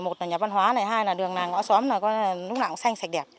một là nhà văn hóa này hai là đường làng ngõ xóm lúc nào cũng xanh sạch đẹp